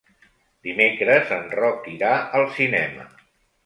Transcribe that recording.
Dimecres en Roc irà al cinema.